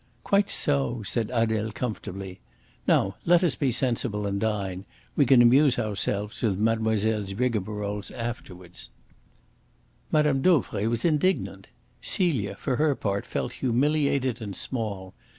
"Quite so," said Adele comfortably. "Now let us be sensible and dine. We can amuse ourselves with mademoiselle's rigmaroles afterwards." Mme. Dauvray was indignant. Celia, for her part, felt humiliated and small.